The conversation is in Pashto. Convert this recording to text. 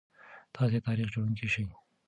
تاسي تاریخ جوړونکي شئ.